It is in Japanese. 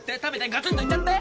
ガツンといっちゃって。